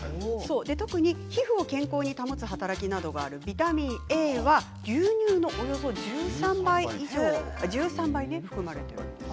特に皮膚を健康に保つ働きなどがあるビタミンＡは牛乳のおよそ１３倍含まれています。